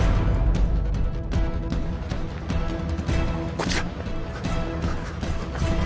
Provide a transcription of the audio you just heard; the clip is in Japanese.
こっちだ！